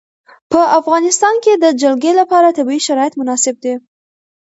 په افغانستان کې د جلګه لپاره طبیعي شرایط مناسب دي.